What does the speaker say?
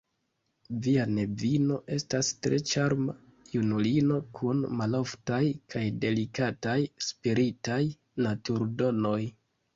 Via nevino estas tre ĉarma junulino kun maloftaj kaj delikataj spiritaj naturdonoj.